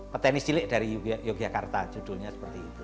petenis cilik dari yogyakarta judulnya seperti itu